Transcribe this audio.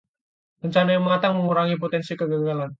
Rencana yang matang mengurangi potensi kegagalan.